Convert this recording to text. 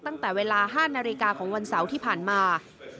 ตั้งแต่เวลา๕นาฬิกาของวันเสาร์ที่ผ่านมา